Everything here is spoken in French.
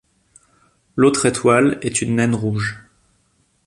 L'autre étoile est une naine rouge.